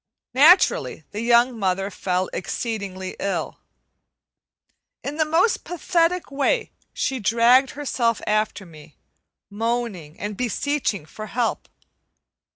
Naturally, the young mother fell exceedingly ill. In the most pathetic way she dragged herself after me, moaning and beseeching for help.